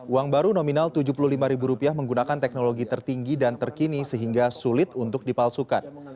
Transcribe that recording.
uang baru nominal rp tujuh puluh lima menggunakan teknologi tertinggi dan terkini sehingga sulit untuk dipalsukan